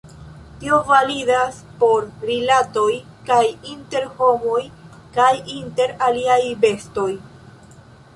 Tio validas por rilatoj kaj inter homoj kaj inter aliaj bestoj.